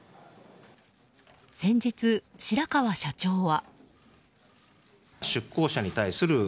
先日、白川社長は。